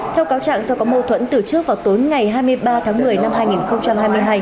theo cáo trạng do có mâu thuẫn từ trước vào tối ngày hai mươi ba tháng một mươi năm hai nghìn hai mươi hai